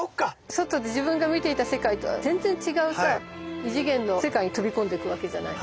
外で自分が見ていた世界とは全然違うさ異次元の世界に飛び込んでいくわけじゃない？